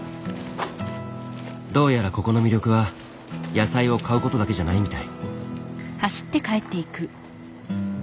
どうやらここの魅力は野菜を買うことだけじゃないみたい。